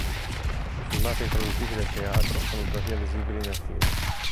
I filmati introduttivi del teatro sono tuttavia visibili nel film.